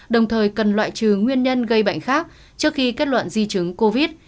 đồng thời cần loại trừ nguyên nhân gây bệnh khác trước khi kết luận di chứng covid